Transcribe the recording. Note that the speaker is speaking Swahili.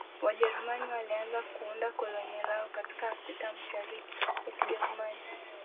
Wajerumani walianza kuunda koloni lao katika Afrika ya Mashariki ya Kijerumani